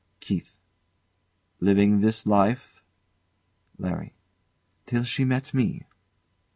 KEITH. Living this life? LARRY. Till she met me.